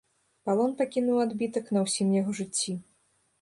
Палон пакінуў адбітак на ўсім яго жыцці.